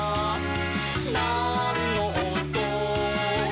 「なんのおと？」